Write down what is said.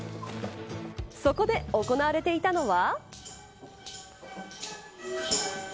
そこで行われていたのは。